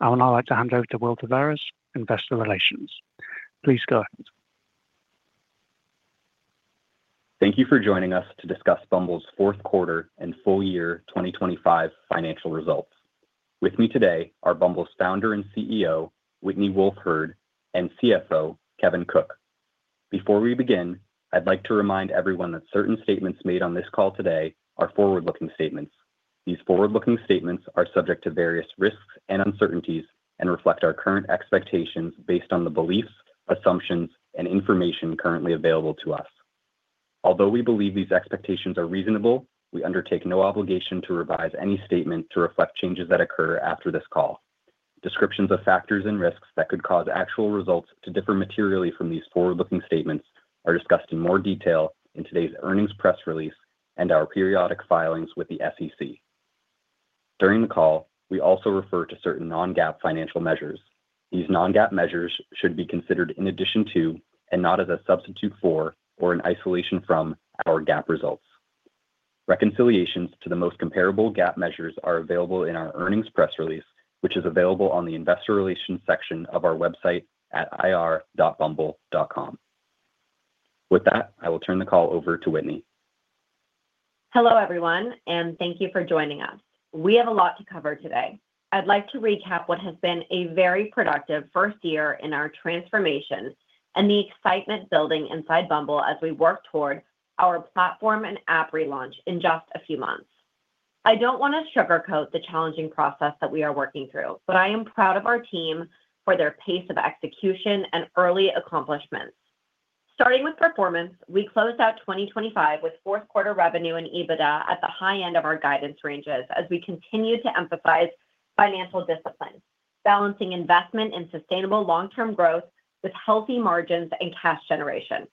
I would now like to hand over to Will Taveras, Investor Relations. Please go ahead. Thank you for joining us to discuss Bumble's fourth quarter and full year 2025 financial results. With me today are Bumble's founder and CEO, Whitney Wolfe Herd, and CFO, Kevin Cook. Before we begin, I'd like to remind everyone that certain statements made on this call today are forward-looking statements. These forward-looking statements are subject to various risks and uncertainties and reflect our current expectations based on the beliefs, assumptions, and information currently available to us. Although we believe these expectations are reasonable, we undertake no obligation to revise any statement to reflect changes that occur after this call. Descriptions of factors and risks that could cause actual results to differ materially from these forward-looking statements are discussed in more detail in today's earnings press release and our periodic filings with the SEC. During the call, we also refer to certain non-GAAP financial measures. These non-GAAP measures should be considered in addition to and not as a substitute for or an isolation from our GAAP results. Reconciliations to the most comparable GAAP measures are available in our earnings press release, which is available on the investor relations section of our website at ir.bumble.com. With that, I will turn the call over to Whitney. Hello, everyone, and thank you for joining us. We have a lot to cover today. I'd like to recap what has been a very productive first year in our transformation and the excitement building inside Bumble as we work toward our platform and app relaunch in just a few months. I don't want to sugarcoat the challenging process that we are working through, but I am proud of our team for their pace of execution and early accomplishments. Starting with performance, we closed out 2025 with fourth quarter revenue and EBITDA at the high end of our guidance ranges as we continue to emphasize financial discipline, balancing investment in sustainable long-term growth with healthy margins and cash generation.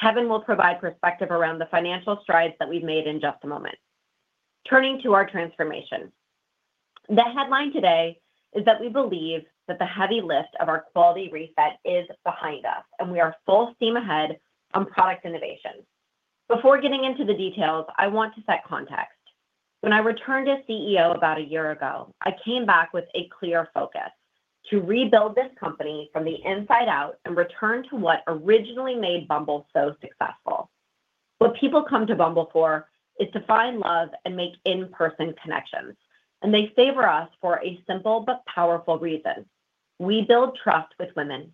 Kevin will provide perspective around the financial strides that we've made in just a moment. Turning to our transformation. The headline today is that we believe that the heavy lift of our quality reset is behind us, and we are full steam ahead on product innovation. Before getting into the details, I want to set context. When I returned as CEO about a year ago, I came back with a clear focus. To rebuild this company from the inside out and return to what originally made Bumble so successful. What people come to Bumble for is to find love and make in-person connections, and they favor us for a simple but powerful reason. We build trust with women.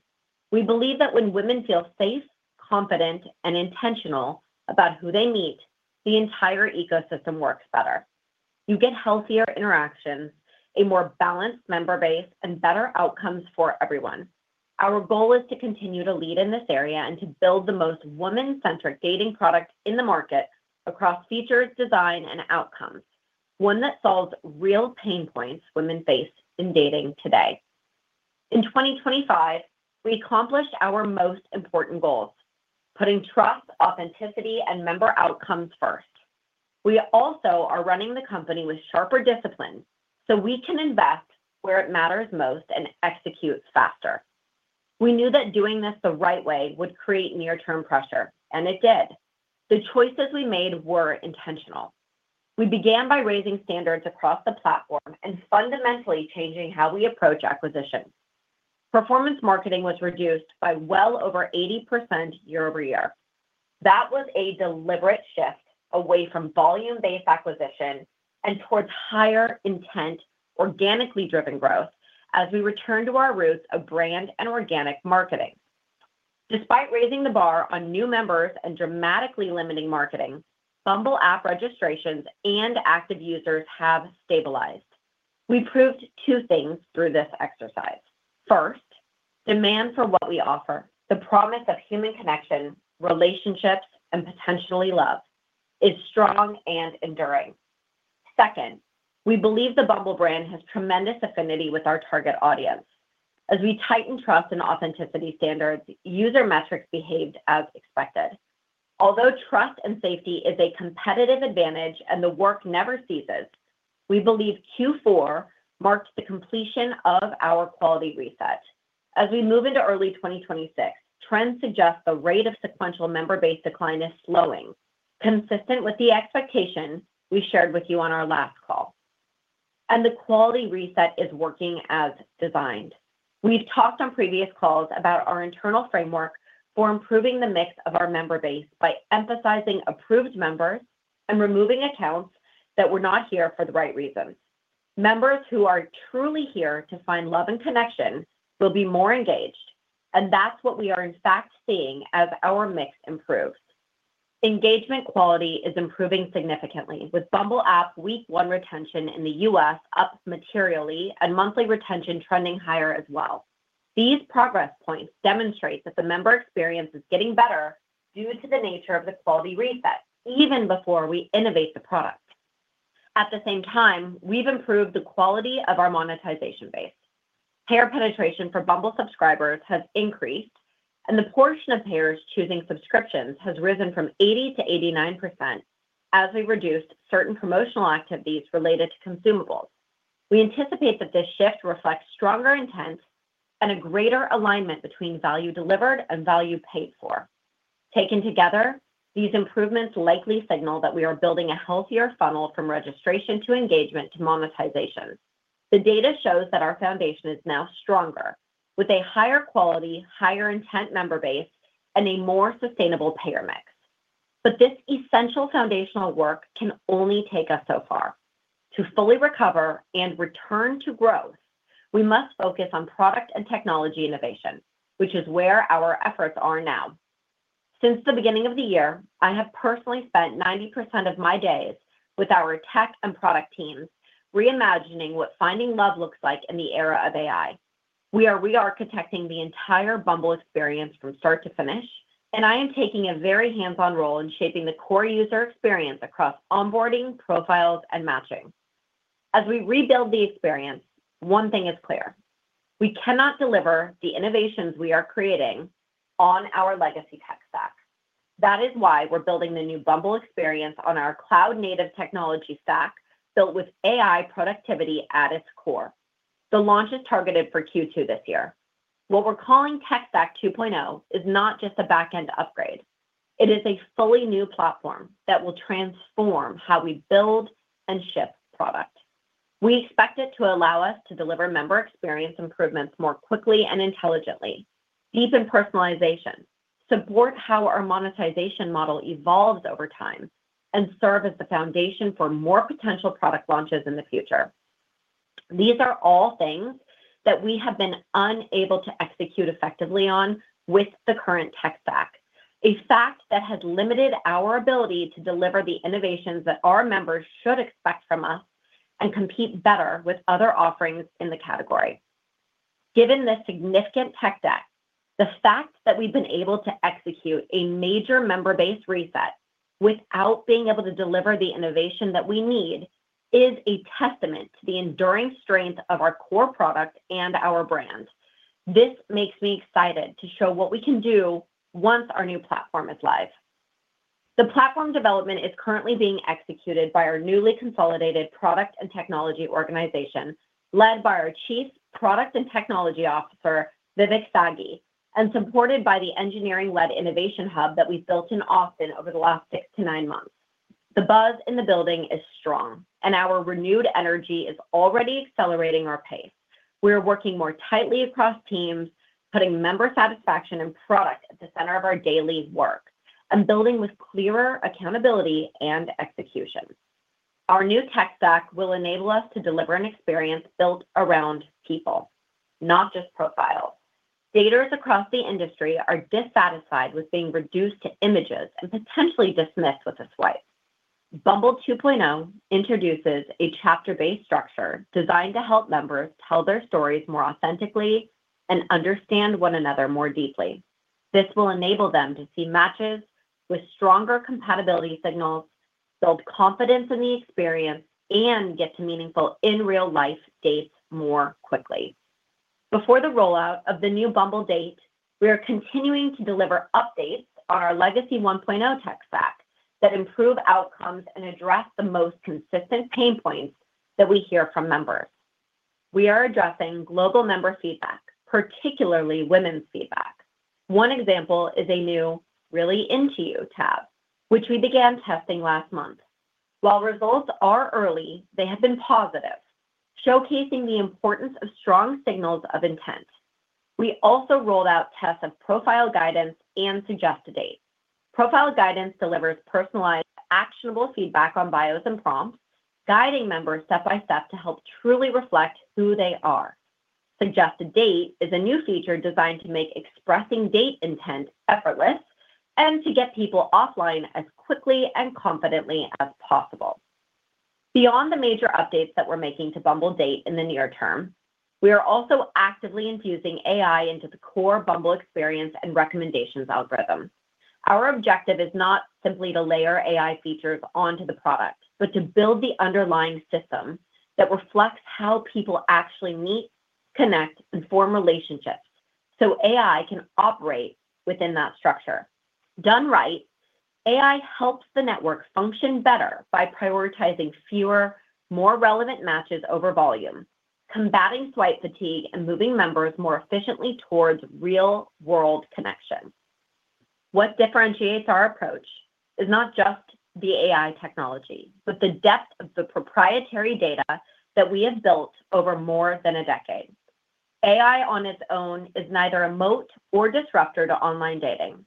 We believe that when women feel safe, confident, and intentional about who they meet, the entire ecosystem works better. You get healthier interactions, a more balanced member base, and better outcomes for everyone. Our goal is to continue to lead in this area and to build the most woman-centric dating product in the market across features, design, and outcomes, one that solves real pain points women face in dating today. In 2025, we accomplished our most important goals, putting trust, authenticity, and member outcomes first. We also are running the company with sharper discipline so we can invest where it matters most and execute faster. We knew that doing this the right way would create near-term pressure, and it did. The choices we made were intentional. We began by raising standards across the platform and fundamentally changing how we approach acquisition. Performance marketing was reduced by well over 80% year-over-year. That was a deliberate shift away from volume-based acquisition and towards higher intent, organically driven growth as we return to our roots of brand and organic marketing. Despite raising the bar on new members and dramatically limiting marketing, Bumble app registrations and active users have stabilized. We proved two things through this exercise. First, demand for what we offer, the promise of human connection, relationships, and potentially love is strong and enduring. Second, we believe the Bumble brand has tremendous affinity with our target audience. As we tighten trust and authenticity standards, user metrics behaved as expected. Although trust and safety is a competitive advantage and the work never ceases, we believe Q4 marked the completion of our quality reset. As we move into early 2026, trends suggest the rate of sequential member-based decline is slowing, consistent with the expectation we shared with you on our last call. The quality reset is working as designed. We've talked on previous calls about our internal framework for improving the mix of our member base by emphasizing approved members and removing accounts that were not here for the right reasons. Members who are truly here to find love and connection will be more engaged, and that's what we are in fact seeing as our mix improves. Engagement quality is improving significantly with Bumble app week one retention in the U.S. up materially and monthly retention trending higher as well. These progress points demonstrate that the member experience is getting better due to the nature of the quality reset even before we innovate the product. At the same time, we've improved the quality of our monetization base. Paid penetration for Bumble subscribers has increased, and the portion of payers choosing subscriptions has risen from 80%-89% as we reduced certain promotional activities related to consumables. We anticipate that this shift reflects stronger intent and a greater alignment between value delivered and value paid for. Taken together, these improvements likely signal that we are building a healthier funnel from registration to engagement to monetization. The data shows that our foundation is now stronger with a higher quality, higher intent member base and a more sustainable payer mix. This essential foundational work can only take us so far. To fully recover and return to growth, we must focus on product and technology innovation, which is where our efforts are now. Since the beginning of the year, I have personally spent 90% of my days with our tech and product teams reimagining what finding love looks like in the era of AI. We are re-architecting the entire Bumble experience from start to finish, and I am taking a very hands-on role in shaping the core user experience across onboarding, profiles, and matching. As we rebuild the experience, one thing is clear: we cannot deliver the innovations we are creating on our legacy tech stack. That is why we're building the new Bumble experience on our cloud-native technology stack built with AI productivity at its core. The launch is targeted for Q2 this year. What we're calling Tech Stack 2.0 is not just a back-end upgrade. It is a fully new platform that will transform how we build and ship product. We expect it to allow us to deliver member experience improvements more quickly and intelligently, deepen personalization, support how our monetization model evolves over time, and serve as the foundation for more potential product launches in the future. These are all things that we have been unable to execute effectively on with the current tech stack, a stack that has limited our ability to deliver the innovations that our members should expect from us and compete better with other offerings in the category. Given the significant tech debt, the fact that we've been able to execute a major member-based reset without being able to deliver the innovation that we need is a testament to the enduring strength of our core product and our brand. This makes me excited to show what we can do once our new platform is live. The platform development is currently being executed by our newly consolidated product and technology organization led by our Chief Product and Technology Officer, Vivek Sagi, and supported by the engineering-led innovation hub that we built in Austin over the last 6-9 months. The buzz in the building is strong and our renewed energy is already accelerating our pace. We're working more tightly across teams, putting member satisfaction and product at the center of our daily work and building with clearer accountability and execution. Our new tech stack will enable us to deliver an experience built around people, not just profiles. Daters across the industry are dissatisfied with being reduced to images and potentially dismissed with a swipe. Bumble 2.0 introduces a chapter-based structure designed to help members tell their stories more authentically and understand one another more deeply. This will enable them to see matches with stronger compatibility signals, build confidence in the experience, and get to meaningful in-real-life dates more quickly. Before the rollout of the new Bumble Date, we are continuing to deliver updates to our legacy 1.0 tech stack that improve outcomes and address the most consistent pain points that we hear from members. We are addressing global member feedback, particularly women's feedback. One example is a new Really Into You tab, which we began testing last month. While results are early, they have been positive, showcasing the importance of strong signals of intent. We also rolled out tests of Profile Guidance and Suggest a Date. Profile Guidance delivers personalized, actionable feedback on bios and prompts, guiding members step by step to help truly reflect who they are. Suggest a Date is a new feature designed to make expressing date intent effortless and to get people offline as quickly and confidently as possible. Beyond the major updates that we're making to Bumble Date in the near term, we are also actively infusing AI into the core Bumble experience and recommendations algorithm. Our objective is not simply to layer AI features onto the product, but to build the underlying system that reflects how people actually meet, connect, and form relationships so AI can operate within that structure. Done right, AI helps the network function better by prioritizing fewer, more relevant matches over volume, combating swipe fatigue, and moving members more efficiently towards real-world connection. What differentiates our approach is not just the AI technology, but the depth of the proprietary data that we have built over more than a decade. AI on its own is neither a moat or disruptor to online dating.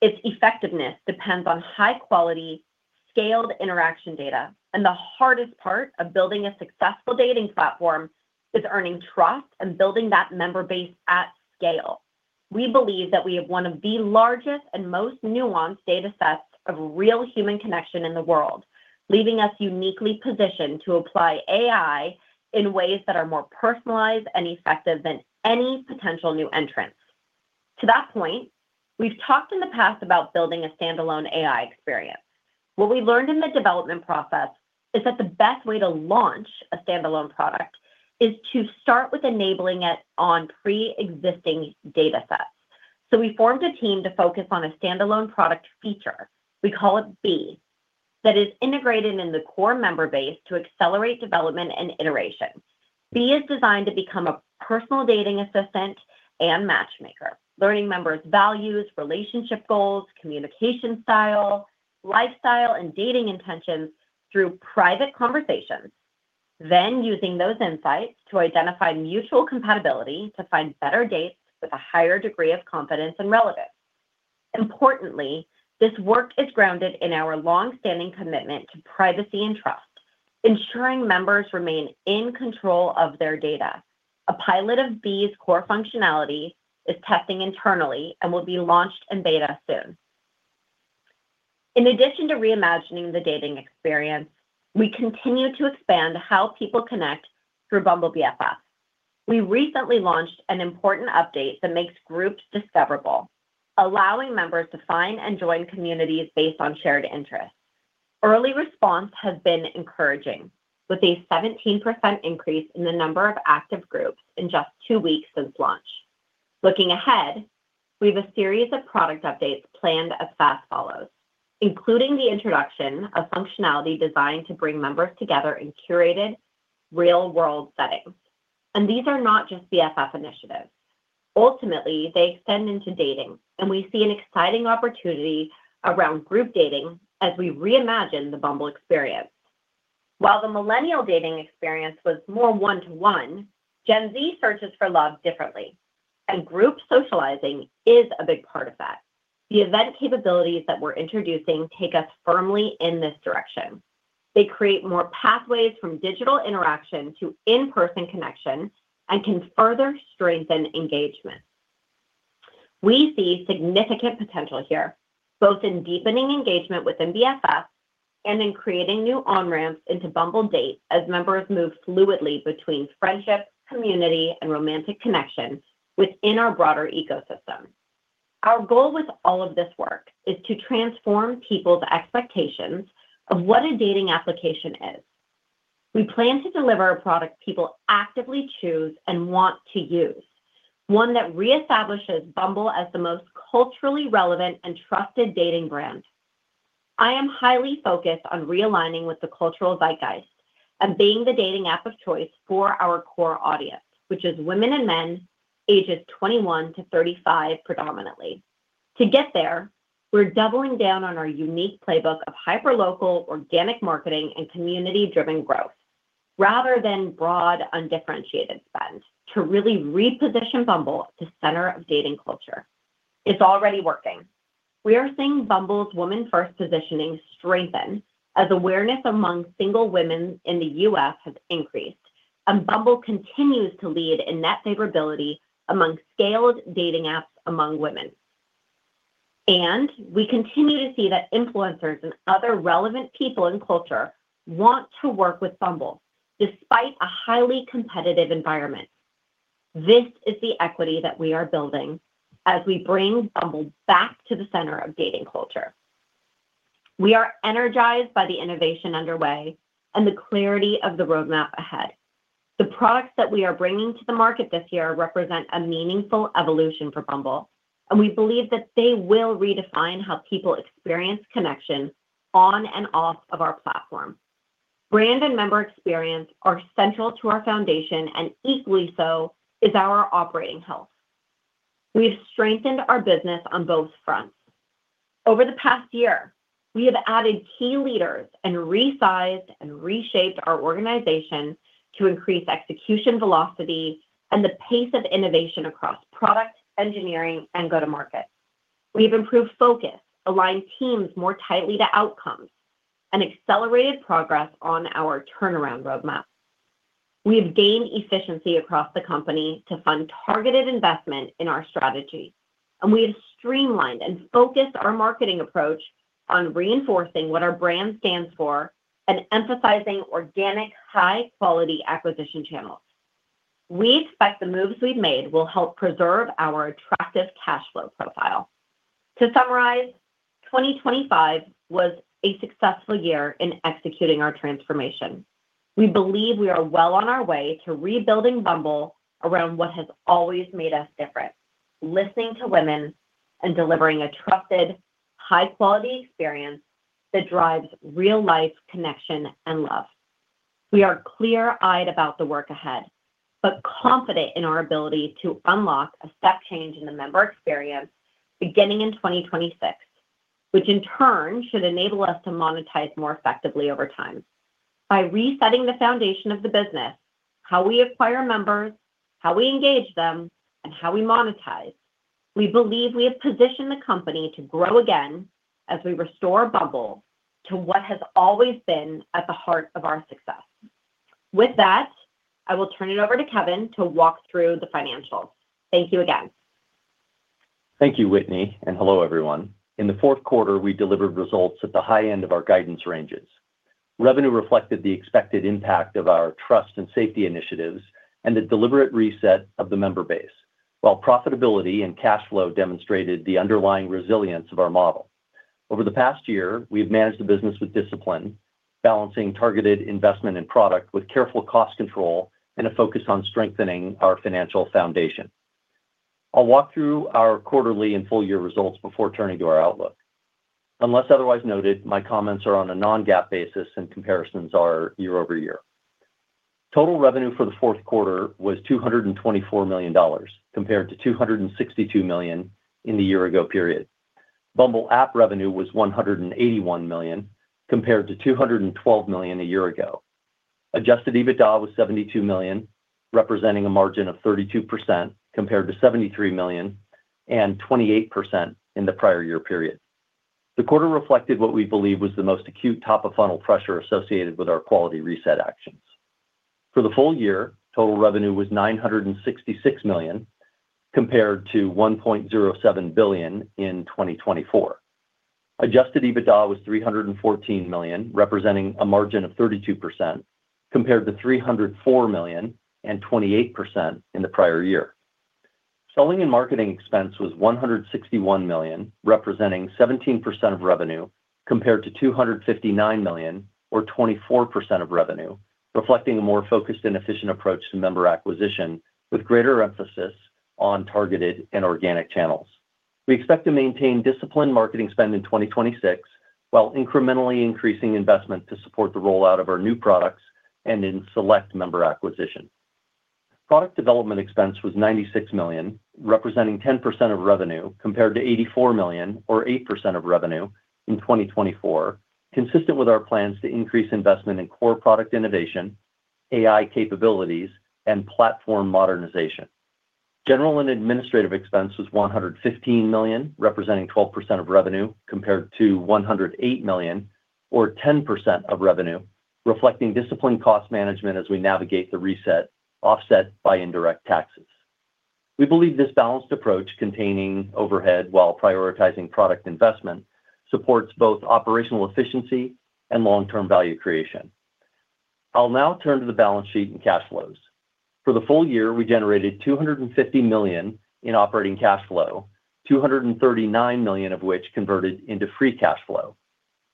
Its effectiveness depends on high-quality, scaled interaction data, and the hardest part of building a successful dating platform is earning trust and building that member base at scale. We believe that we have one of the largest and most nuanced data sets of real human connection in the world, leaving us uniquely positioned to apply AI in ways that are more personalized and effective than any potential new entrants. To that point, we've talked in the past about building a standalone AI experience. What we learned in the development process is that the best way to launch a standalone product is to start with enabling it on pre-existing data sets. We formed a team to focus on a standalone product feature. We call it Bee. That is integrated in the core member base to accelerate development and iteration. Bee is designed to become a personal dating assistant and matchmaker, learning members' values, relationship goals, communication style, lifestyle, and dating intentions through private conversations. Using those insights to identify mutual compatibility to find better dates with a higher degree of confidence and relevance. Importantly, this work is grounded in our long-standing commitment to privacy and trust, ensuring members remain in control of their data. A pilot of Bee's core functionality is testing internally and will be launched in beta soon. In addition to reimagining the dating experience, we continue to expand how people connect through Bumble BFF. We recently launched an important update that makes groups discoverable, allowing members to find and join communities based on shared interests. Early response has been encouraging, with a 17% increase in the number of active groups in just two weeks since launch. Looking ahead, we have a series of product updates planned as fast follows, including the introduction of functionality designed to bring members together in curated real-world settings. These are not just BFF initiatives. Ultimately, they extend into dating, and we see an exciting opportunity around group dating as we reimagine the Bumble experience. While the Millennial dating experience was more one-to-one, Gen Z searches for love differently, and group socializing is a big part of that. The event capabilities that we're introducing take us firmly in this direction. They create more pathways from digital interaction to in-person connection and can further strengthen engagement. We see significant potential here, both in deepening engagement within BFF and in creating new on-ramps into Bumble Date as members move fluidly between friendship, community, and romantic connection within our broader ecosystem. Our goal with all of this work is to transform people's expectations of what a dating application is. We plan to deliver a product people actively choose and want to use, one that reestablishes Bumble as the most culturally relevant and trusted dating brand. I am highly focused on realigning with the cultural zeitgeist and being the dating app of choice for our core audience, which is women and men ages 21-35 predominantly. To get there, we're doubling down on our unique playbook of hyperlocal, organic marketing, and community-driven growth rather than broad, undifferentiated spend to really reposition Bumble at the center of dating culture. It's already working. We are seeing Bumble's women-first positioning strengthen as awareness among single women in the U.S. has increased. Bumble continues to lead in net favorability among scaled dating apps among women. We continue to see that influencers and other relevant people and culture want to work with Bumble despite a highly competitive environment. This is the equity that we are building as we bring Bumble back to the center of dating culture. We are energized by the innovation underway and the clarity of the roadmap ahead. The products that we are bringing to the market this year represent a meaningful evolution for Bumble, and we believe that they will redefine how people experience connection on and off of our platform. Brand and member experience are central to our foundation, and equally so is our operating health. We've strengthened our business on both fronts. Over the past year, we have added key leaders and resized and reshaped our organization to increase execution velocity and the pace of innovation across product, engineering, and go-to-market. We've improved focus, aligned teams more tightly to outcomes, and accelerated progress on our turnaround roadmap. We have gained efficiency across the company to fund targeted investment in our strategy, and we have streamlined and focused our marketing approach on reinforcing what our brand stands for and emphasizing organic, high-quality acquisition channels. We expect the moves we've made will help preserve our attractive cash flow profile. To summarize, 2025 was a successful year in executing our transformation. We believe we are well on our way to rebuilding Bumble around what has always made us different, listening to women and delivering a trusted, high-quality experience that drives real-life connection and love. We are clear-eyed about the work ahead, but confident in our ability to unlock a step change in the member experience beginning in 2026, which in turn should enable us to monetize more effectively over time. By resetting the foundation of the business, how we acquire members, how we engage them, and how we monetize, we believe we have positioned the company to grow again as we restore Bumble to what has always been at the heart of our success. With that, I will turn it over to Kevin to walk through the financials. Thank you again. Thank you, Whitney, and hello, everyone. In the fourth quarter, we delivered results at the high end of our guidance ranges. Revenue reflected the expected impact of our trust and safety initiatives and a deliberate reset of the member base, while profitability and cash flow demonstrated the underlying resilience of our model. Over the past year, we have managed the business with discipline, balancing targeted investment in product with careful cost control and a focus on strengthening our financial foundation. I'll walk through our quarterly and full year results before turning to our outlook. Unless otherwise noted, my comments are on a non-GAAP basis and comparisons are year-over-year. Total revenue for the fourth quarter was $224 million compared to $262 million in the year ago period. Bumble app revenue was $181 million compared to $212 million a year ago. Adjusted EBITDA was $72 million, representing a margin of 32% compared to $73 million and 28% in the prior year period. The quarter reflected what we believe was the most acute top-of-funnel pressure associated with our quality reset actions. For the full year, total revenue was $966 million, compared to $1.07 billion in 2024. Adjusted EBITDA was $314 million, representing a margin of 32% compared to $304 million and 28% in the prior year. Selling and marketing expense was $161 million, representing 17% of revenue compared to $259 million or 24% of revenue, reflecting a more focused and efficient approach to member acquisition with greater emphasis on targeted and organic channels. We expect to maintain disciplined marketing spend in 2026, while incrementally increasing investment to support the rollout of our new products and in select member acquisition. Product development expense was $96 million, representing 10% of revenue compared to $84 million or 8% of revenue in 2024, consistent with our plans to increase investment in core product innovation, AI capabilities, and platform modernization. General and administrative expense was $115 million, representing 12% of revenue compared to $108 million or 10% of revenue, reflecting disciplined cost management as we navigate the reset offset by indirect taxes. We believe this balanced approach containing overhead while prioritizing product investment supports both operational efficiency and long-term value creation. I'll now turn to the balance sheet and cash flows. For the full year, we generated $250 million in operating cash flow, $239 million of which converted into free cash flow.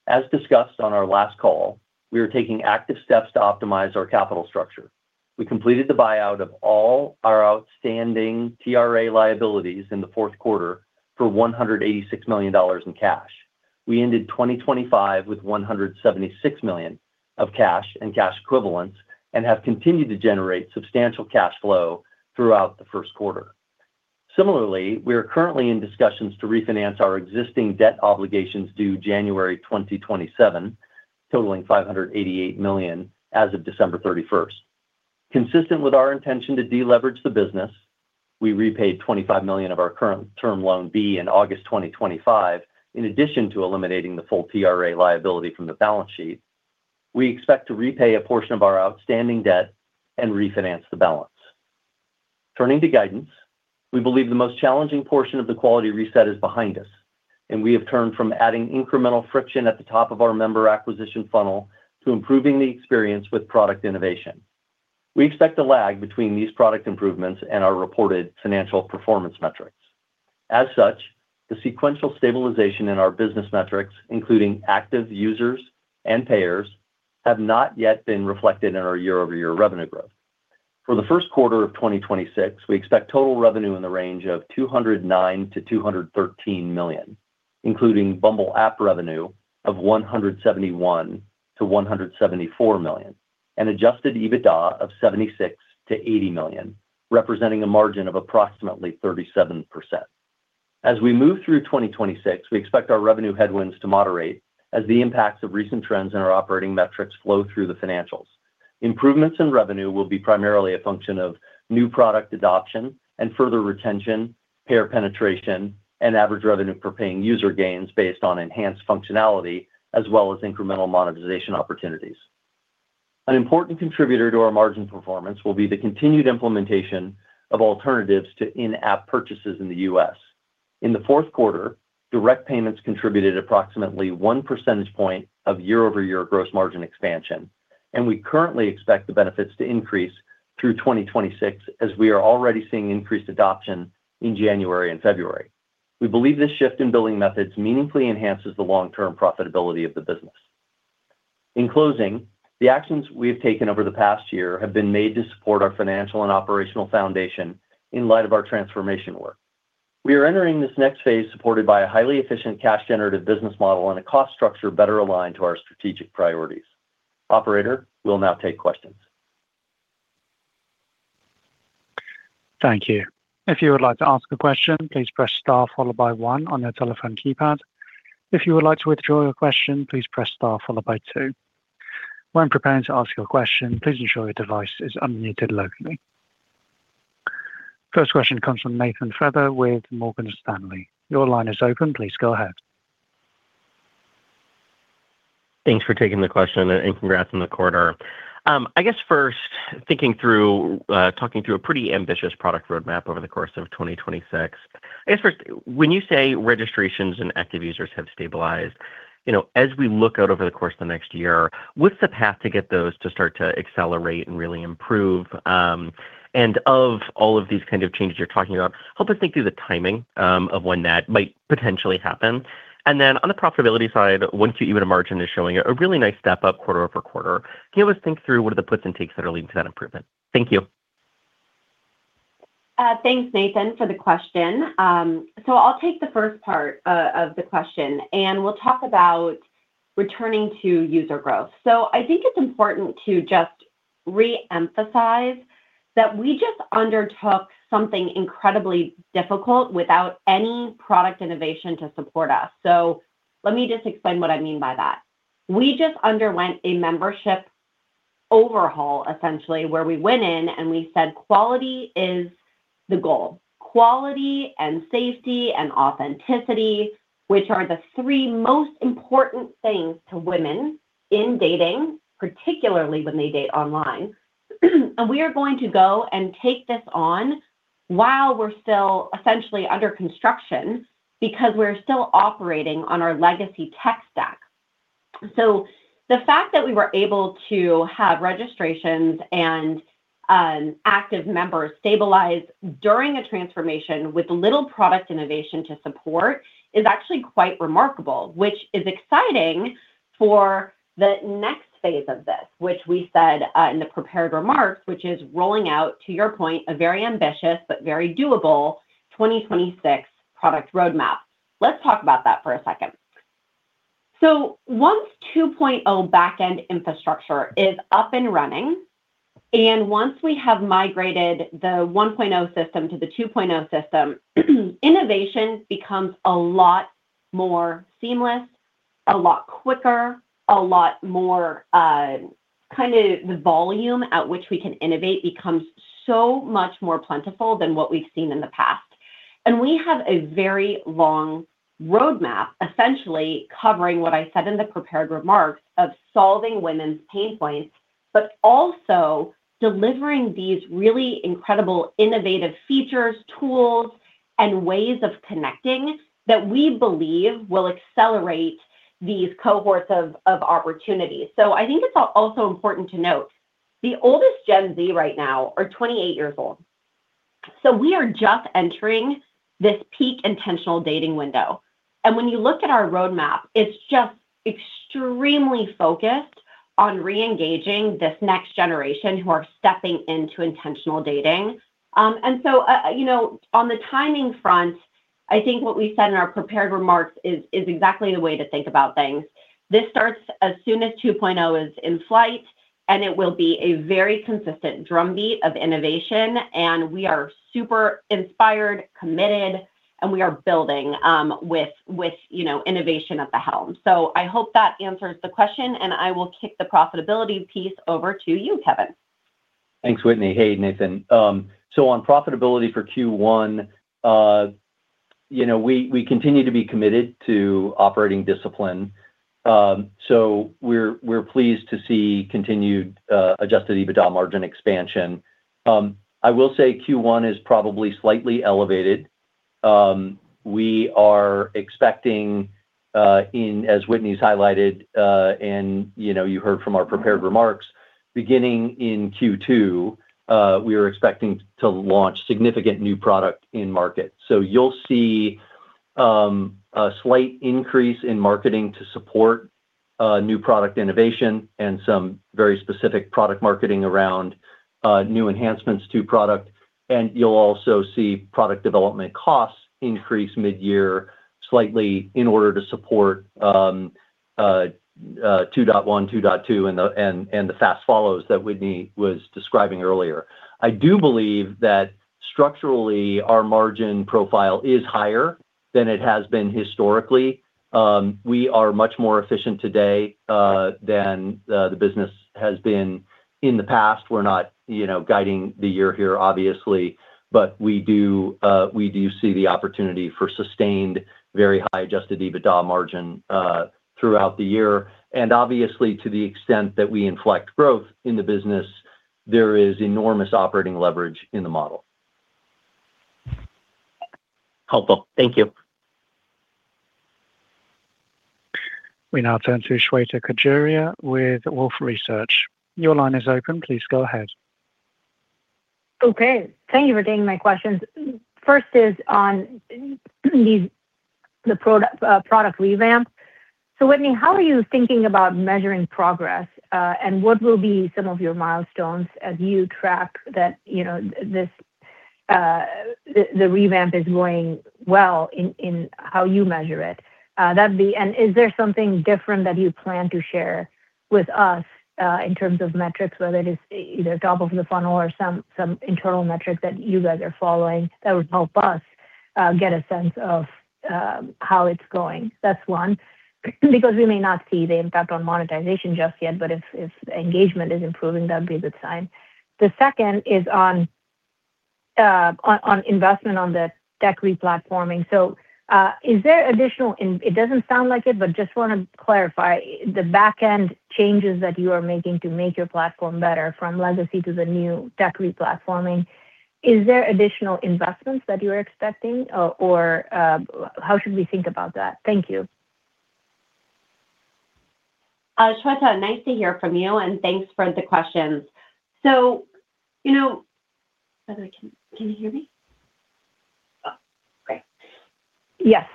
As discussed on our last call, we are taking active steps to optimize our capital structure. We completed the buyout of all our outstanding TRA liabilities in the fourth quarter for $186 million in cash. We ended 2025 with $176 million of cash and cash equivalents and have continued to generate substantial cash flow throughout the first quarter. Similarly, we are currently in discussions to refinance our existing debt obligations due January 2027, totaling $588 million as of December 31st. Consistent with our intention to deleverage the business, we repaid $25 million of our current Term Loan B in August 2025. In addition to eliminating the full TRA liability from the balance sheet, we expect to repay a portion of our outstanding debt and refinance the balance. Turning to guidance, we believe the most challenging portion of the quality reset is behind us, and we have turned from adding incremental friction at the top of our member acquisition funnel to improving the experience with product innovation. We expect a lag between these product improvements and our reported financial performance metrics. As such, the sequential stabilization in our business metrics, including active users and payers, have not yet been reflected in our year-over-year revenue growth. For the first quarter of 2026, we expect total revenue in the range of $209 million-$213 million, including Bumble app revenue of $171 million-$174 million and Adjusted EBITDA of $76 million-$80 million, representing a margin of approximately 37%. As we move through 2026, we expect our revenue headwinds to moderate as the impacts of recent trends in our operating metrics flow through the financials. Improvements in revenue will be primarily a function of new product adoption and further retention, payer penetration, and average revenue per paying user gains based on enhanced functionality as well as incremental monetization opportunities. An important contributor to our margin performance will be the continued implementation of alternatives to in-app purchases in the U.S. In the fourth quarter, direct payments contributed approximately one percentage point of year-over-year gross margin expansion, and we currently expect the benefits to increase through 2026, as we are already seeing increased adoption in January and February. We believe this shift in billing methods meaningfully enhances the long-term profitability of the business. In closing, the actions we have taken over the past year have been made to support our financial and operational foundation in light of our transformation work. We are entering this next phase supported by a highly efficient, cash-generative business model and a cost structure better aligned to our strategic priorities. Operator, we'll now take questions. Thank you. If you would like to ask a question, please press star followed by one on your telephone keypad. If you would like to withdraw your question, please press star followed by two. When preparing to ask your question, please ensure your device is unmuted locally. First question comes from Nathan Feather with Morgan Stanley. Your line is open. Please go ahead. Thanks for taking the question and congrats on the quarter. I guess first, thinking through, talking through a pretty ambitious product roadmap over the course of 2026. I guess first, when you say registrations and active users have stabilized, you know, as we look out over the course of the next year, what's the path to get those to start to accelerate and really improve? And of all of these kind of changes you're talking about, help us think through the timing, of when that might potentially happen. On the profitability side, once your EBITDA margin is showing a really nice step-up quarter-over-quarter, can you help us think through what are the puts and takes that are leading to that improvement? Thank you. Thanks, Nathan, for the question. I'll take the first part of the question, and we'll talk about returning to user growth. I think it's important to just re-emphasize that we just undertook something incredibly difficult without any product innovation to support us. Let me just explain what I mean by that. We just underwent a membership overhaul, essentially, where we went in and we said quality is the goal. Quality and safety and authenticity, which are the three most important things to women in dating, particularly when they date online. We are going to go and take this on while we're still essentially under construction because we're still operating on our legacy tech stack. The fact that we were able to have registrations and active members stabilize during a transformation with little product innovation to support is actually quite remarkable, which is exciting for the next phase of this, which we said in the prepared remarks, which is rolling out, to your point, a very ambitious but very doable 2026 product roadmap. Let's talk about that for a second. Once 2.0 back-end infrastructure is up and running, and once we have migrated the 1.0 system to the 2.0 system, innovation becomes a lot more seamless, a lot quicker, a lot more, kinda the volume at which we can innovate becomes so much more plentiful than what we've seen in the past. We have a very long roadmap, essentially covering what I said in the prepared remarks of solving women's pain points, but also delivering these really incredible innovative features, tools, and ways of connecting that we believe will accelerate these cohorts of opportunities. I think it's also important to note the oldest Gen Z right now are 28 years old. We are just entering this peak intentional dating window. When you look at our roadmap, it's just extremely focused on re-engaging this next generation who are stepping into intentional dating. You know, on the timing front, I think what we said in our prepared remarks is exactly the way to think about things. This starts as soon as 2.0 is in flight, and it will be a very consistent drumbeat of innovation, and we are super inspired, committed, and we are building, with you know, innovation at the helm. I hope that answers the question, and I will kick the profitability piece over to you, Kevin. Thanks, Whitney. Hey, Nathan. On profitability for Q1, you know, we continue to be committed to operating discipline. We're pleased to see continued Adjusted EBITDA margin expansion. I will say Q1 is probably slightly elevated. We are expecting, as Whitney's highlighted, and you know, you heard from our prepared remarks, beginning in Q2, we are expecting to launch significant new product in market. You'll see a slight increase in marketing to support new product innovation and some very specific product marketing around new enhancements to product. You'll also see product development costs increase mid-year slightly in order to support 2.1, 2.2, and the fast follows that Whitney was describing earlier. I do believe that structurally, our margin profile is higher than it has been historically. We are much more efficient today than the business has been in the past. We're not, you know, guiding the year here, obviously, but we do see the opportunity for sustained very high Adjusted EBITDA margin throughout the year. Obviously, to the extent that we inflect growth in the business, there is enormous operating leverage in the model. Helpful. Thank you. We now turn to Shweta Khajuria with Wolfe Research. Your line is open. Please go ahead. Okay. Thank you for taking my questions. First is on the product revamp. So Whitney, how are you thinking about measuring progress, and what will be some of your milestones as you track that, you know, this the revamp is going well in how you measure it? That'd be. Is there something different that you plan to share with us, in terms of metrics, whether it is either top of the funnel or some internal metrics that you guys are following that would help us get a sense of how it's going? That's one. Because we may not see the impact on monetization just yet, but if engagement is improving, that'd be a good sign. The second is on investment on the tech re-platforming. It doesn't sound like it, but just wanna clarify the back-end changes that you are making to make your platform better from legacy to the new tech re-platforming. Is there additional investments that you are expecting, or how should we think about that? Thank you. Shweta, nice to hear from you, and thanks for the questions. You know, by the way, can you hear me? Oh, great. Yes.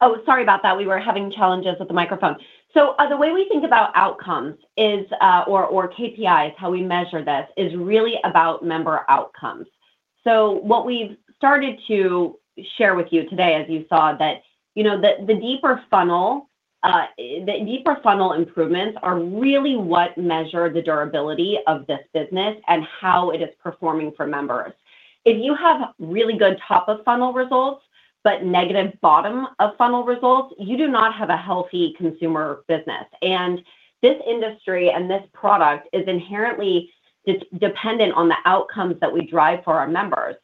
Oh, sorry about that. We were having challenges with the microphone. The way we think about outcomes is, or KPIs, how we measure this, is really about member outcomes. What we've started to share with you today, as you saw, you know, the deeper funnel improvements are really what measure the durability of this business and how it is performing for members. If you have really good top-of-funnel results but negative bottom-of-funnel results, you do not have a healthy consumer business. This industry and this product is inherently dependent on the outcomes that we drive for our members.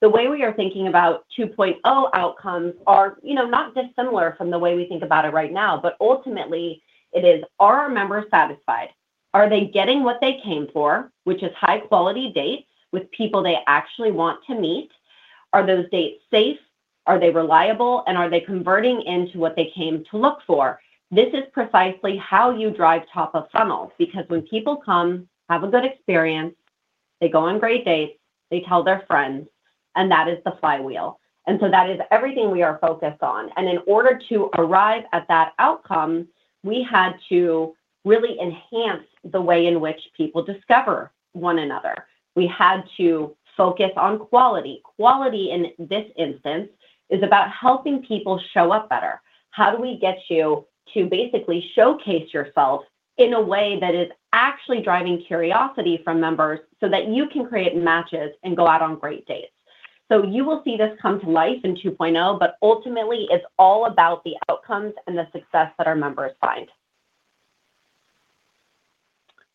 The way we are thinking about 2.0 outcomes are, you know, not dissimilar from the way we think about it right now, but ultimately it is, are our members satisfied? Are they getting what they came for, which is high-quality dates with people they actually want to meet? Are those dates safe? Are they reliable? Are they converting into what they came to look for? This is precisely how you drive top of funnel, because when people come, have a good experience, they go on great dates, they tell their friends, and that is the flywheel. That is everything we are focused on. In order to arrive at that outcome, we had to really enhance the way in which people discover one another. We had to focus on quality. Quality in this instance is about helping people show up better. How do we get you to basically showcase yourself in a way that is actually driving curiosity from members so that you can create matches and go out on great dates? You will see this come to life in 2.0, but ultimately, it's all about the outcomes and the success that our members find.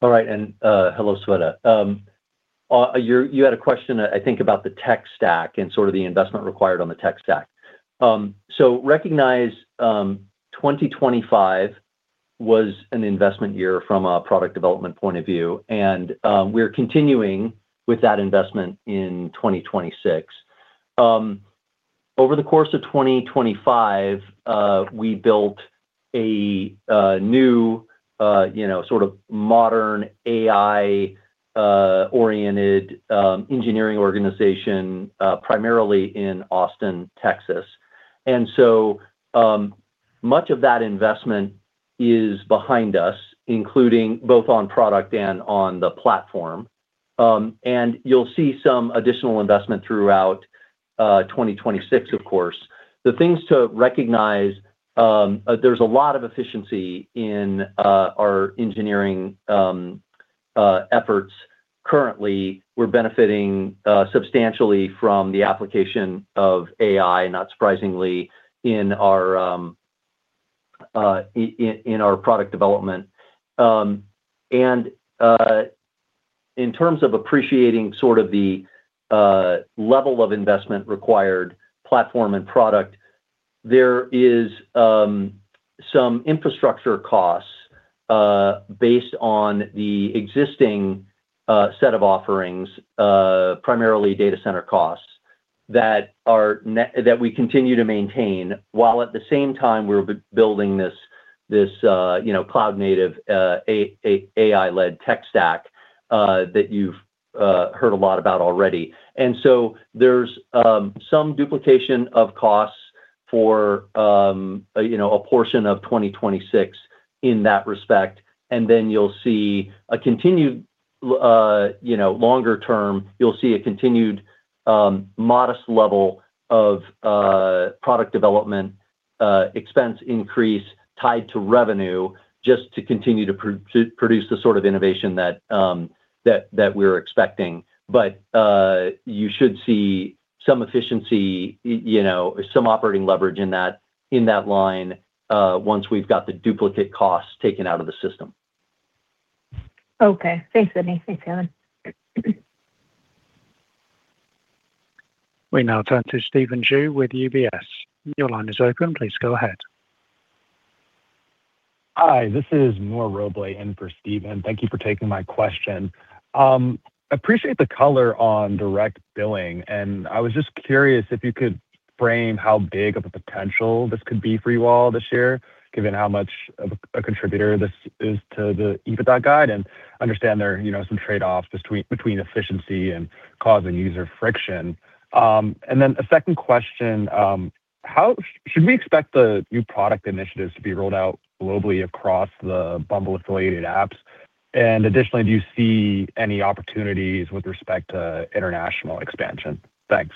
All right, hello, Shweta. You had a question, I think, about the tech stack and sort of the investment required on the tech stack. Recognize, 2025 was an investment year from a product development point of view, and we're continuing with that investment in 2026. Over the course of 2025, we built a new, you know, sort of modern AI oriented engineering organization, primarily in Austin, Texas. Much of that investment is behind us, including both on product and on the platform. You'll see some additional investment throughout 2026, of course. The things to recognize, there's a lot of efficiency in our engineering efforts. Currently, we're benefiting substantially from the application of AI, not surprisingly, in our product development. In terms of appreciating sort of the level of investment required platform and product, there is some infrastructure costs based on the existing set of offerings, primarily data center costs that we continue to maintain, while at the same time we're building this, you know, cloud-native AI-led tech stack that you've heard a lot about already. There's some duplication of costs for, you know, a portion of 2026 in that respect. You'll see a continued, you know, longer term, you'll see a continued, modest level of product development expense increase tied to revenue just to continue to produce the sort of innovation that that we're expecting. You should see some efficiency, you know, some operating leverage in that line, once we've got the duplicate costs taken out of the system. Okay. Thanks, Whitney. Thanks, Kevin. We now turn to Stephen Ju with UBS. Your line is open. Please go ahead. Hi, this is Noor Roble in for Stephen. Thank you for taking my question. Appreciate the color on direct billing, and I was just curious if you could frame how big of a potential this could be for you all this year, given how much of a contributor this is to the EBITDA guide, and understand there are some trade-offs between efficiency and causing user friction. Then a second question, should we expect the new product initiatives to be rolled out globally across the Bumble-affiliated apps? Additionally, do you see any opportunities with respect to international expansion? Thanks.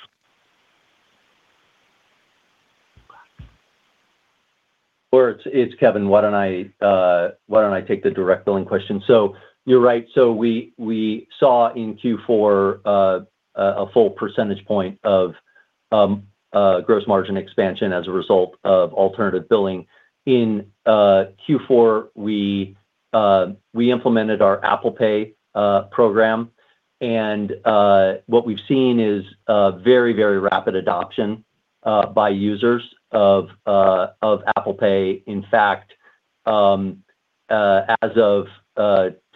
Sure. It's Kevin. Why don't I take the direct billing question? You're right. We saw in Q4 a full percentage point of gross margin expansion as a result of alternative billing. In Q4, we implemented our Apple Pay program, and what we've seen is very rapid adoption by users of Apple Pay. In fact, as of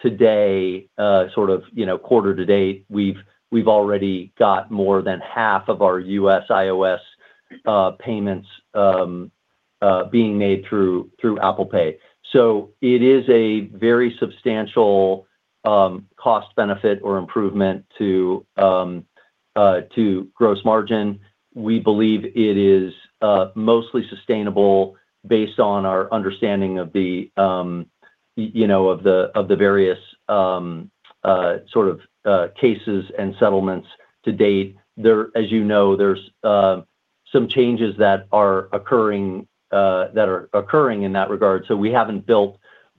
today, you know, quarter to date, we've already got more than half of our U.S. iOS payments being made through Apple Pay. It is a very substantial cost benefit or improvement to gross margin. We believe it is mostly sustainable based on our understanding of the, you know, of the various cases and settlements to date. There, as you know, there's some changes that are occurring in that regard. We haven't built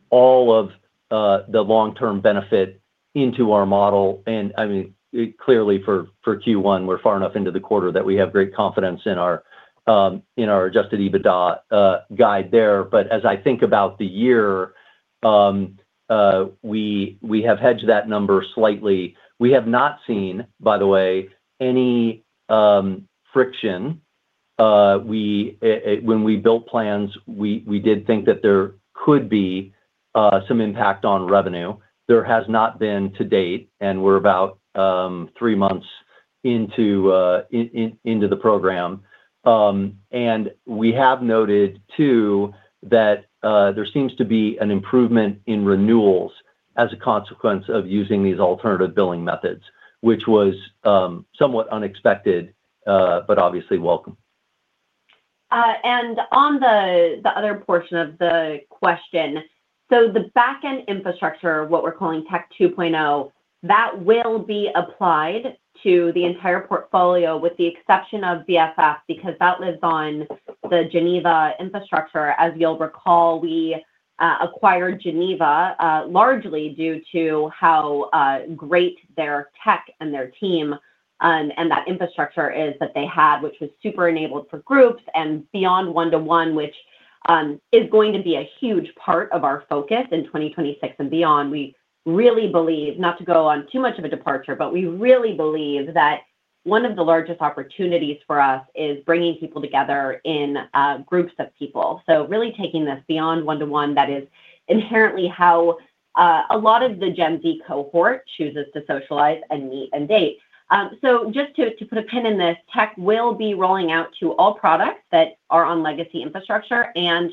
all of the long-term benefit into our model. I mean, clearly for Q1, we're far enough into the quarter that we have great confidence in our Adjusted EBITDA guide there. As I think about the year, we have hedged that number slightly. We have not seen, by the way, any friction. When we built plans, we did think that there could be some impact on revenue. There has not been to date, and we're about three months into the program. We have noted too that there seems to be an improvement in renewals as a consequence of using these alternative billing methods, which was somewhat unexpected, but obviously welcome. On the other portion of the question, the back-end infrastructure, what we're calling Tech 2.0, that will be applied to the entire portfolio with the exception of BFF because that lives on the Geneva infrastructure. As you'll recall, we acquired Geneva largely due to how great their tech and their team and that infrastructure is that they had, which was super enabled for groups and beyond one-to-one, which is going to be a huge part of our focus in 2026 and beyond. We really believe, not to go on too much of a departure, but we really believe that one of the largest opportunities for us is bringing people together in groups of people. Really taking this beyond one-to-one, that is inherently how a lot of the Gen Z cohort chooses to socialize and meet and date. Just to put a pin in this, tech will be rolling out to all products that are on legacy infrastructure and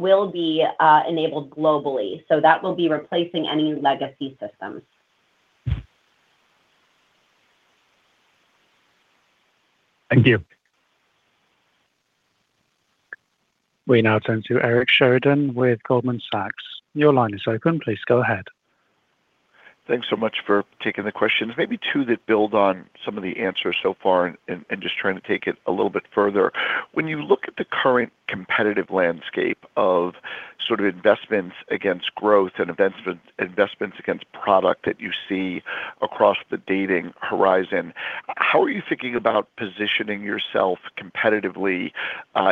will be enabled globally. That will be replacing any legacy systems. Thank you. We now turn to Eric Sheridan with Goldman Sachs. Your line is open. Please go ahead. Thanks so much for taking the questions. Maybe two that build on some of the answers so far and just trying to take it a little bit further. When you look at the current competitive landscape of sort of investments against growth and investments against product that you see across the dating horizon, how are you thinking about positioning yourself competitively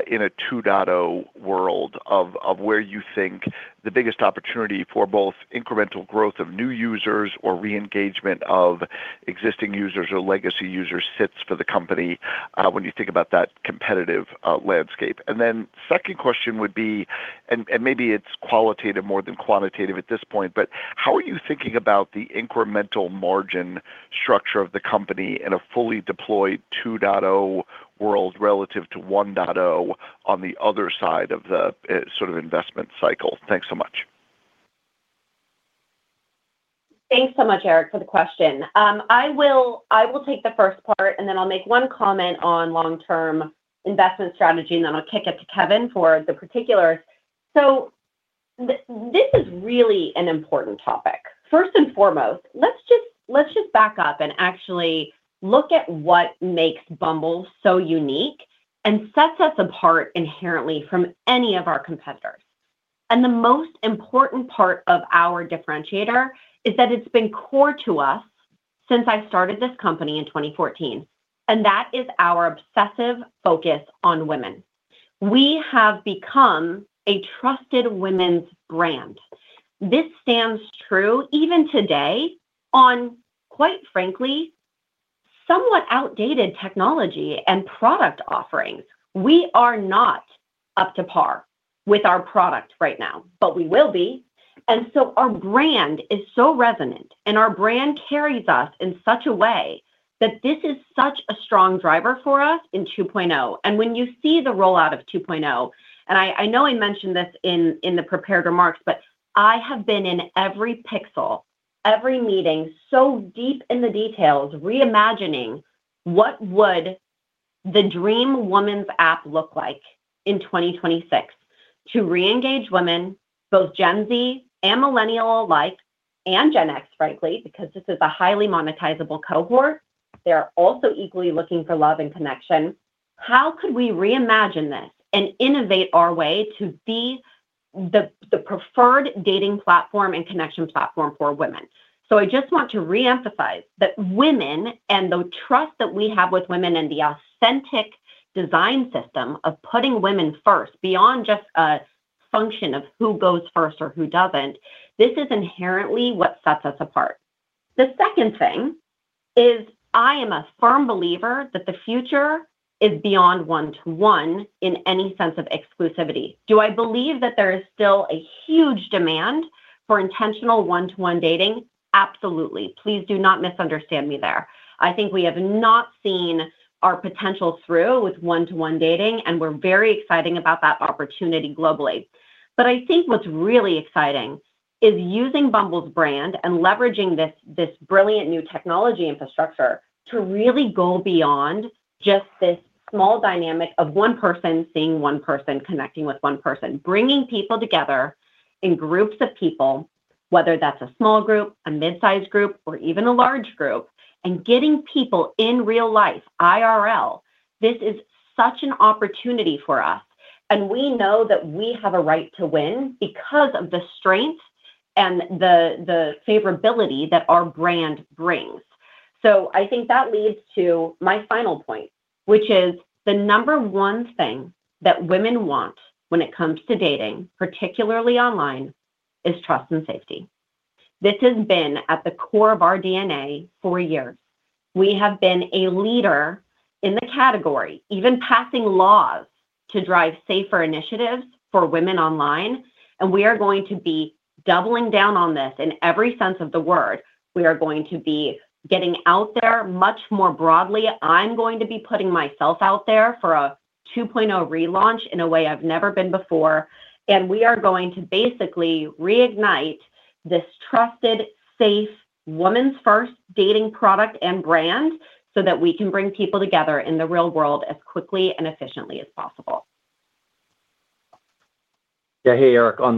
in a 2.0 world of where you think the biggest opportunity for both incremental growth of new users or re-engagement of existing users or legacy users sits for the company when you think about that competitive landscape? Second question would be, and maybe it's qualitative more than quantitative at this point, but how are you thinking about the incremental margin structure of the company in a fully deployed 2.0 world relative to 1.0 on the other side of the sort of investment cycle? Thanks so much. Thanks so much, Eric, for the question. I will take the first part, and then I'll make one comment on long-term investment strategy, and then I'll kick it to Kevin for the particulars. This is really an important topic. First and foremost, let's just back up and actually look at what makes Bumble so unique and sets us apart inherently from any of our competitors. The most important part of our differentiator is that it's been core to us since I started this company in 2014, and that is our obsessive focus on women. We have become a trusted women's brand. This stands true even today on, quite frankly, somewhat outdated technology and product offerings. We are not up to par with our product right now, but we will be. Our brand is so resonant, and our brand carries us in such a way that this is such a strong driver for us in 2.0. When you see the rollout of 2.0, I know I mentioned this in the prepared remarks, but I have been in every pixel, every meeting, so deep in the details, reimagining what would the dream woman's app look like in 2026 to re-engage women, both Gen Z and Millennials alike, and Gen X, frankly, because this is a highly monetizable cohort. They are also equally looking for love and connection. How could we reimagine this and innovate our way to be the preferred dating platform and connection platform for women? I just want to re-emphasize that women and the trust that we have with women and the authentic design system of putting women first beyond just a function of who goes first or who doesn't, this is inherently what sets us apart. The second thing is, I am a firm believer that the future is beyond one-to-one in any sense of exclusivity. Do I believe that there is still a huge demand for intentional one-to-one dating? Absolutely. Please do not misunderstand me there. I think we have not seen our potential through with one-to-one dating, and we're very excited about that opportunity globally. I think what's really exciting is using Bumble's brand and leveraging this this brilliant new technology infrastructure to really go beyond just this small dynamic of one person seeing one person connecting with one person, bringing people together in groups of people, whether that's a small group, a mid-size group, or even a large group, and getting people in real life, IRL. This is such an opportunity for us, and we know that we have a right to win because of the strength and the favorability that our brand brings. I think that leads to my final point, which is the number one thing that women want when it comes to dating, particularly online, is trust and safety. This has been at the core of our DNA for years. We have been a leader in the category, even passing laws to drive safer initiatives for women online, and we are going to be doubling down on this in every sense of the word. We are going to be getting out there much more broadly. I'm going to be putting myself out there for a 2.0 relaunch in a way I've never been before. We are going to basically reignite this trusted, safe, woman's first dating product and brand so that we can bring people together in the real world as quickly and efficiently as possible. Yeah. Hey, Eric. On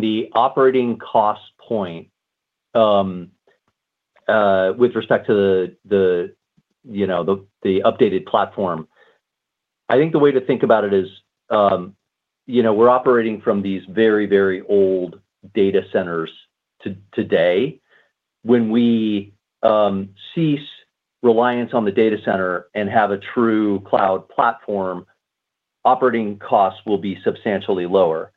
the operating cost point, with respect to the, you know, the updated platform, I think the way to think about it is, you know, we're operating from these very old data centers today. When we cease reliance on the data center and have a true cloud platform, operating costs will be substantially lower.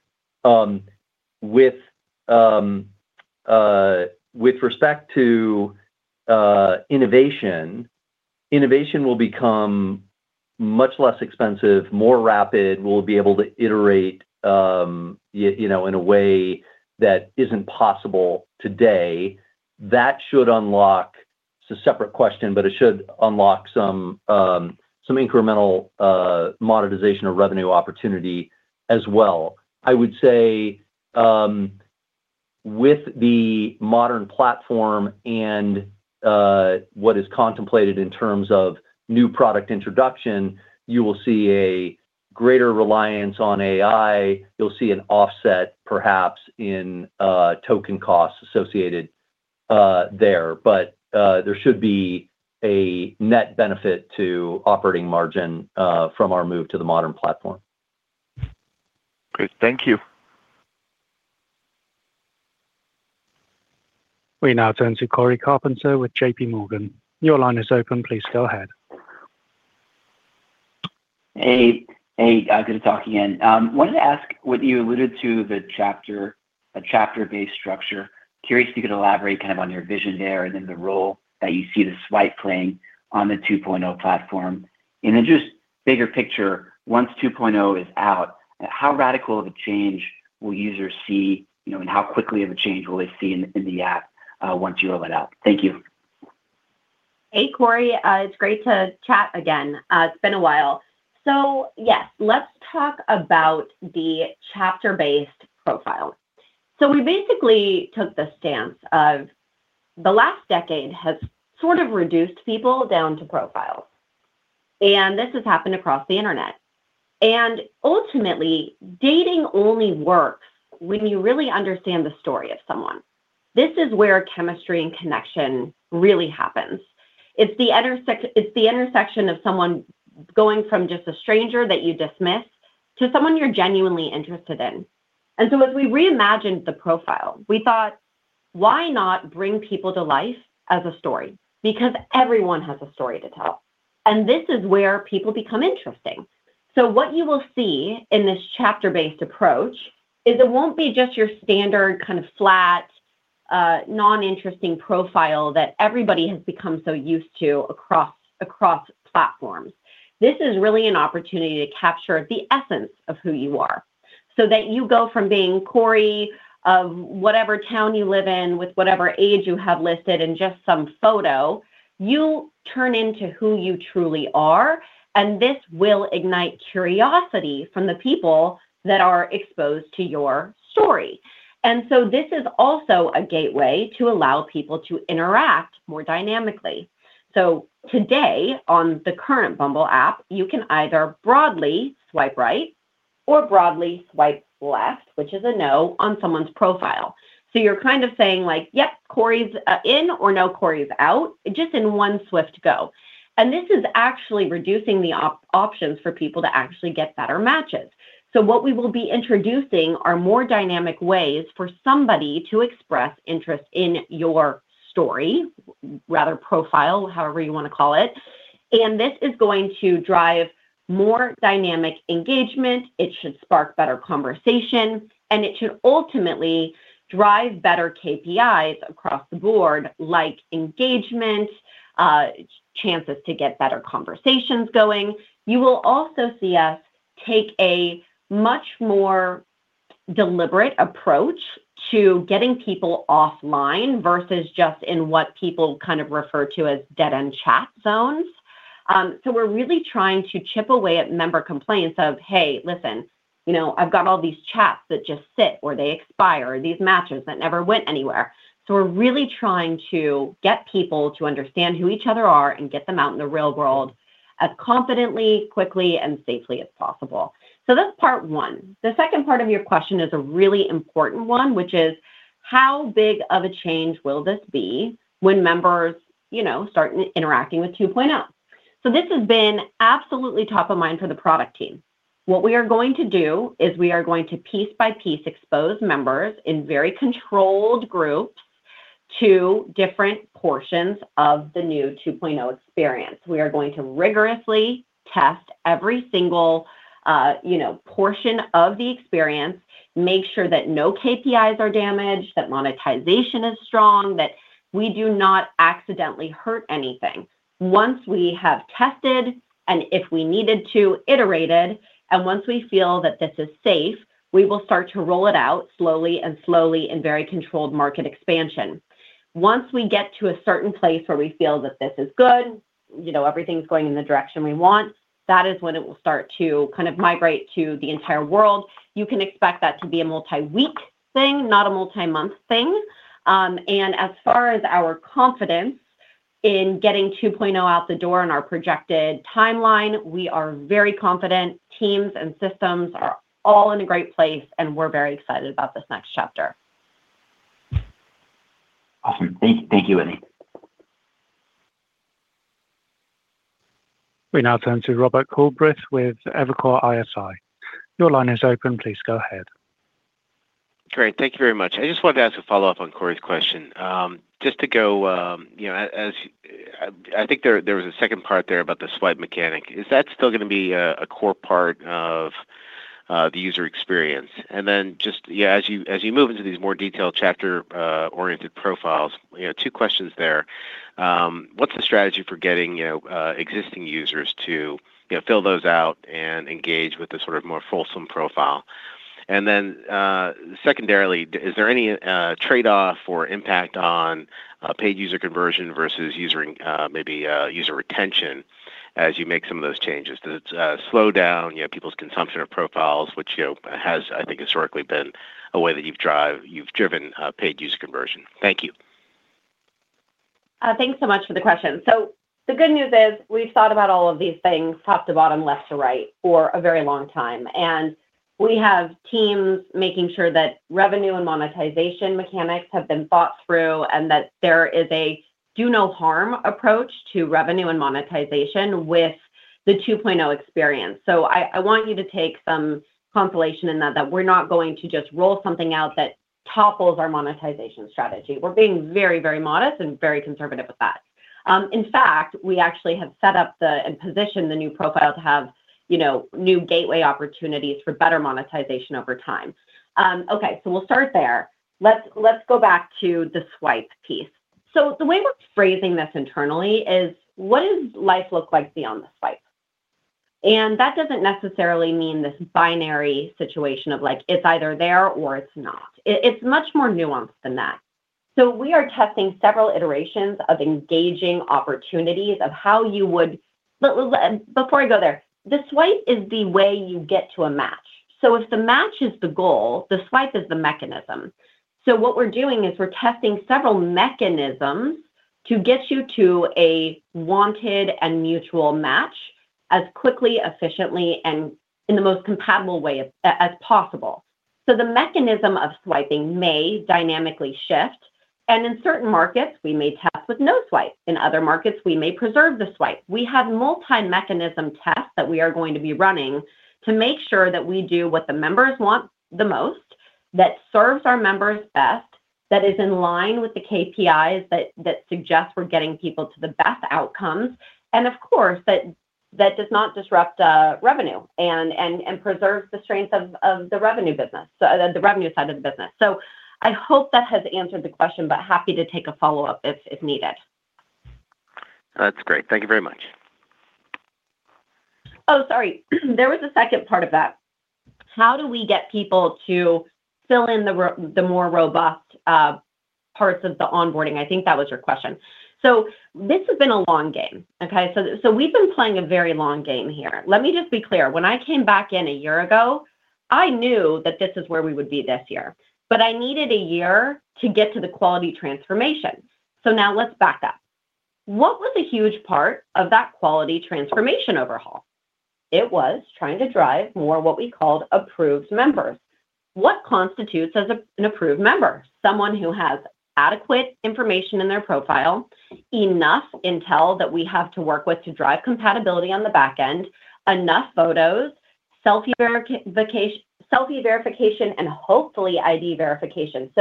With respect to innovation will become much less expensive, more rapid. We'll be able to iterate, you know, in a way that isn't possible today. That should unlock. It's a separate question, but it should unlock some incremental monetization or revenue opportunity as well. I would say, with the modern platform and what is contemplated in terms of new product introduction, you will see a greater reliance on AI. You'll see an offset perhaps in token costs associated there. There should be a net benefit to operating margin from our move to the modern platform. Great. Thank you. We now turn to Cory Carpenter with JPMorgan. Your line is open. Please go ahead. Hey. Hey, good talking in. Wanted to ask what you alluded to the chapter, a chapter-based structure. Curious if you could elaborate kind of on your vision there and then the role that you see the swipe playing on the 2.0 platform. Then just bigger picture, once 2.0 is out, how radical of a change will users see, you know, and how quickly of a change will they see in the app once you roll it out? Thank you. Hey, Cory. It's great to chat again. It's been a while. Yes, let's talk about the chapter-based profile. We basically took the stance of the last decade has sort of reduced people down to profiles, and this has happened across the internet. Ultimately, dating only works when you really understand the story of someone. This is where chemistry and connection really happens. It's the intersection of someone going from just a stranger that you dismiss to someone you're genuinely interested in. As we reimagined the profile, we thought, "Why not bring people to life as a story?" Because everyone has a story to tell, and this is where people become interesting. What you will see in this chapter-based approach is it won't be just your standard kind of flat, non-interesting profile that everybody has become so used to across platforms. This is really an opportunity to capture the essence of who you are so that you go from being Cory of whatever town you live in with whatever age you have listed and just some photo, you turn into who you truly are, and this will ignite curiosity from the people that are exposed to your story. This is also a gateway to allow people to interact more dynamically. Today on the current Bumble app, you can either broadly swipe right or broadly swipe left, which is a no, on someone's profile. You're kind of saying like, "Yep, Cory's in," or "No, Cory's out," just in one swift go. This is actually reducing the options for people to actually get better matches. What we will be introducing are more dynamic ways for somebody to express interest in your story, rather profile, however you wanna call it, and this is going to drive more dynamic engagement. It should spark better conversation, and it should ultimately drive better KPIs across the board, like engagement, chances to get better conversations going. You will also see us take a much more deliberate approach to getting people offline versus just in what people kind of refer to as dead-end chat zones. We're really trying to chip away at member complaints of, "Hey, listen, you know, I've got all these chats that just sit, or they expire, or these matches that never went anywhere." We're really trying to get people to understand who each other are and get them out in the real world as confidently, quickly, and safely as possible. That's part one. The second part of your question is a really important one, which is how big of a change will this be when members, you know, start interacting with 2.0? This has been absolutely top of mind for the product team. What we are going to do is we are going to piece by piece expose members in very controlled groups to different portions of the new 2.0 experience. We are going to rigorously test every single, you know, portion of the experience, make sure that no KPIs are damaged, that monetization is strong, that we do not accidentally hurt anything. Once we have tested and if we needed to, iterated, and once we feel that this is safe, we will start to roll it out slowly and slowly in very controlled market expansion. Once we get to a certain place where we feel that this is good, you know, everything's going in the direction we want, that is when it will start to kind of migrate to the entire world. You can expect that to be a multi-week thing, not a multi-month thing. As far as our confidence in getting 2.0 out the door in our projected timeline, we are very confident. Teams and systems are all in a great place, and we're very excited about this next chapter. Awesome. Thank you, Whitney. We now turn to Rob Culbreth with Evercore ISI. Your line is open. Please go ahead. Great. Thank you very much. I just wanted to ask a follow-up on Cory's question. Just to go, you know, I think there was a second part there about the swipe mechanic. Is that still gonna be a core part of the user experience? And then just, as you move into these more detailed chapter oriented profiles, you know, two questions there. What's the strategy for getting, you know, existing users to, you know, fill those out and engage with the sort of more fulsome profile? And then, secondarily, is there any trade-off or impact on paid user conversion versus user retention as you make some of those changes? Does it slow down, you know, people's consumption of profiles, which, you know, has, I think, historically been a way that you've driven paid user conversion? Thank you. Thanks so much for the question. The good news is we've thought about all of these things top to bottom, left to right for a very long time. We have teams making sure that revenue and monetization mechanics have been thought through and that there is a do no harm approach to revenue and monetization with the 2.0 experience. I want you to take some consolation in that that we're not going to just roll something out that topples our monetization strategy. We're being very, very modest and very conservative with that. In fact, we actually have set up and positioned the new profile to have, you know, new gateway opportunities for better monetization over time. Okay, we'll start there. Let's go back to the swipe piece. The way we're phrasing this internally is what does life look like beyond the swipe? That doesn't necessarily mean this binary situation of like, it's either there or it's not. It's much more nuanced than that. We are testing several iterations of engaging opportunities. Before I go there, the swipe is the way you get to a match. If the match is the goal, the swipe is the mechanism. What we're doing is we're testing several mechanisms to get you to a wanted and mutual match as quickly, efficiently, and in the most compatible way as possible. The mechanism of swiping may dynamically shift, and in certain markets, we may test with no swipe. In other markets, we may preserve the swipe. We have multi-mechanism tests that we are going to be running to make sure that we do what the members want the most, that serves our members best, that is in line with the KPIs that suggest we're getting people to the best outcomes, and of course, that does not disrupt revenue and preserves the strength of the revenue business, so the revenue side of the business. I hope that has answered the question, but happy to take a follow-up if needed. That's great. Thank you very much. Oh, sorry. There was a second part of that. How do we get people to fill in the more robust parts of the onboarding? I think that was your question. This has been a long game, okay? We've been playing a very long game here. Let me just be clear. When I came back in a year ago, I knew that this is where we would be this year. I needed a year to get to the quality transformation. Now let's back up. What was a huge part of that quality transformation overhaul? It was trying to drive more what we called approved members. What constitutes as an approved member? Someone who has adequate information in their profile, enough intel that we have to work with to drive compatibility on the back end, enough photos, selfie verification, and hopefully ID verification.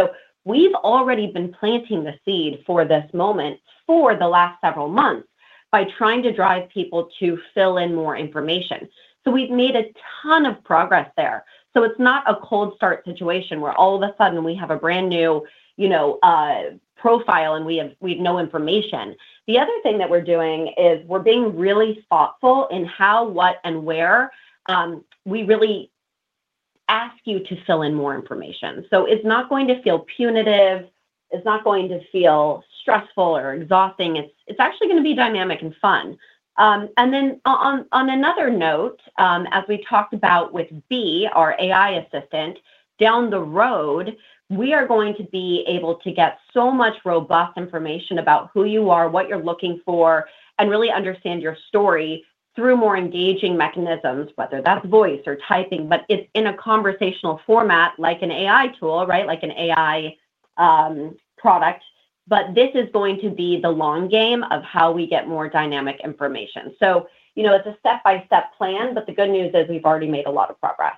We've already been planting the seed for this moment for the last several months by trying to drive people to fill in more information. We've made a ton of progress there. It's not a cold start situation where all of a sudden we have a brand new, you know, profile, and we have no information. The other thing that we're doing is we're being really thoughtful in how, what, and where we really ask you to fill in more information. It's not going to feel punitive. It's not going to feel stressful or exhausting. It's actually gonna be dynamic and fun. On another note, as we talked about with Bee, our AI assistant, down the road, we are going to be able to get so much robust information about who you are, what you're looking for, and really understand your story through more engaging mechanisms, whether that's voice or typing. It's in a conversational format like an AI tool, right? Like an AI product. This is going to be the long game of how we get more dynamic information. You know, it's a step-by-step plan, but the good news is we've already made a lot of progress.